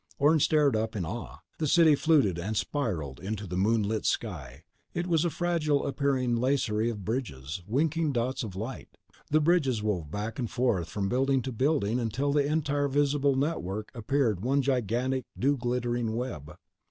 Orne stared upward in awe. The city fluted and spiraled into the moonlit sky. It was a fragile appearing lacery of bridges, winking dots of light. The bridges wove back and forth from building to building until the entire visible network appeared one gigantic dew glittering web.